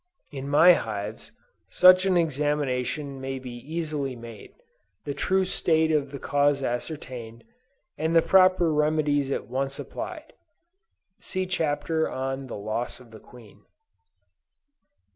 In my hives, such an examination may be easily made, the true state of the case ascertained, and the proper remedies at once applied. (See Chapter on the Loss of the Queen.)